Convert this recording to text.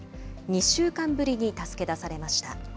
２週間ぶりに助け出されました。